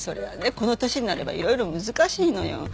この年になればいろいろ難しいのよ。